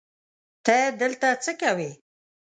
ته دلته څه کوې؟